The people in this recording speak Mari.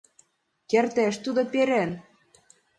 Кертеш тудо перен